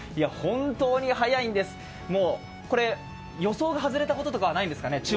本当に早いんです、予想が外れたことがないんですかね？